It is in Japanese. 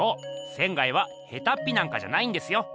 仙はヘタッピなんかじゃないんですよ。